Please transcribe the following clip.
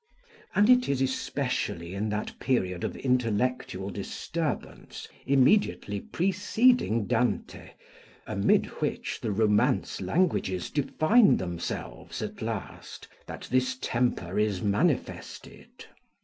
And it is especially in that period of intellectual disturbance, immediately preceding Dante, amid which the romance languages define themselves at last, that this temper is manifested.